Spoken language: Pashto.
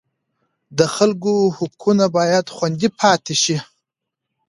د خلکو حقونه باید خوندي پاتې شي.